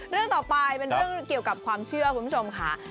เรื่องต่อไปกับของความเชื่อคุณผู้ชมค่ะ